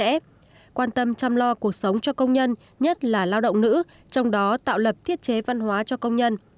tập đoàn công nghiệp cao su việt nam phải đi sâu vào công nghiệp quan tâm chăm lo cuộc sống cho công nhân nhất là lao động nữ trong đó tạo lập thiết chế văn hóa cho công nhân